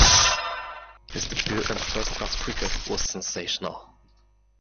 His debut in first-class cricket was sensational.